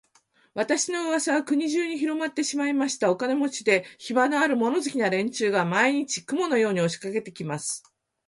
私の噂は国中にひろまってしまいました。お金持で、暇のある、物好きな連中が、毎日、雲のように押しかけて来ます。